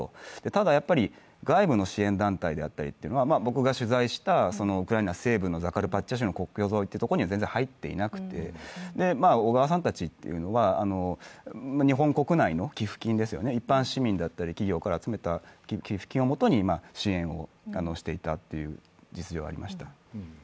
ただ、外部の支援団体であったりとか、僕が取材したウクライナ西部のザカルパッチャ州の国境沿いには全然入っていなくて、小川さんたち日本国内の寄付金、一般企業や市民から集めた寄付金をもとに支援をしていたという実情がありました。